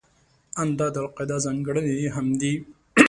ان دا د القاعده ځانګړنې هم دي.